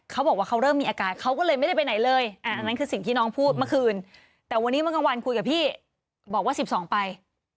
เขาบอกว่าเขาเริ่มมีอาการเขาก็เลยไม่ได้ไปไหนเลยอันนั้นคือสิ่งที่น้องพูดเมื่อคืนแต่วันนี้เมื่อกลางวันคุยกับพี่บอกว่า๑๒ไป